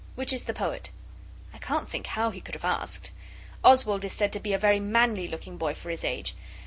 Which is the poet?' I can't think how he could have asked! Oswald is said to be a very manly looking boy for his age.